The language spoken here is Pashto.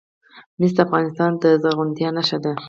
مس د افغانستان د زرغونتیا نښه ده.